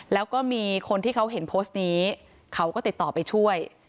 แล้วก็มีคนที่เขาเห็นโพสต์นี้เขาก็ติดต่อไปช่วย